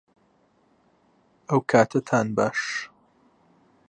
ئەوکاتەتان باش